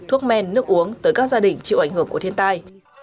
thuốc men nước uống tới các gia đình chịu ảnh hưởng của thiên tai